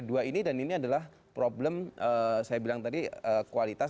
dua ini dan ini adalah problem saya bilang tadi kualitas